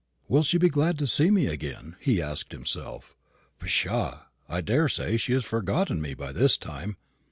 "Will she be glad to see me again?" he asked himself. "Pshaw! I daresay she has forgotten me by this time.